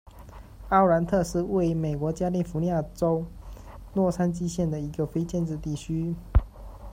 奥兰特是位于美国加利福尼亚州洛杉矶县的一个非建制地区。